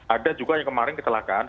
ada juga yang kemarin kecelakaan